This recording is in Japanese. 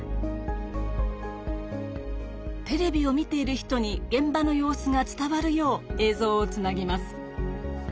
テレビを見ている人に現場の様子が伝わるよう映像をつなぎます。